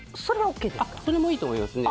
それもいいと思いますね。